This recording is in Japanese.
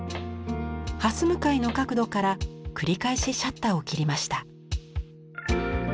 はす向かいの角度から繰り返しシャッターを切りました。